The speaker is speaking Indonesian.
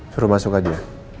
suruh masuk aja